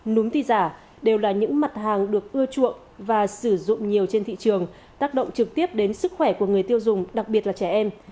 núm thì giả đều là những mặt hàng được ưa chuộng và sử dụng nhiều trên thị trường tác động trực tiếp đến sức khỏe của người tiêu dùng đặc biệt là trẻ em